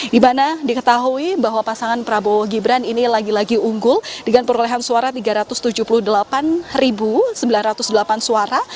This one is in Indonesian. dimana diketahui bahwa pasangan prabowo gibran ini lagi lagi unggul dengan perolehan suara tiga ratus tujuh puluh delapan sembilan ratus delapan suara